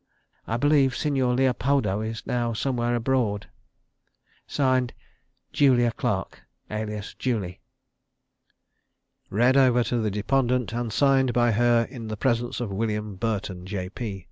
I believe Signor Leopoldo is now somewhere abroad. (Signed) "JULIA CLARK, alias JULIE." Read over to the deponent, and signed by her in the presence of William Burton, J. P.